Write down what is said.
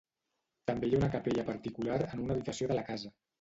També hi ha una capella particular en una habitació de la casa.